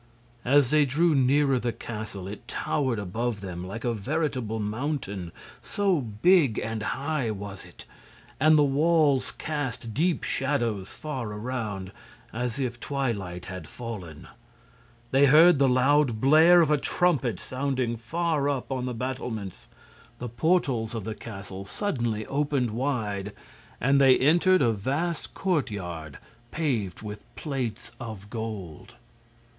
As they drew nearer the castle it towered above them like a veritable mountain, so big and high was it; and the walls cast deep shadows far around, as if twilight had fallen. They heard the loud blare of a trumpet sounding far up on the battlements; the portals of the castle suddenly opened wide, and they entered a vast courtyard paved with plates of gold.